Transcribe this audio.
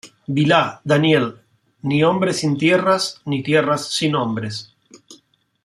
Vilá, Daniel: "Ni hombres sin tierras, ni tierras sin hombres".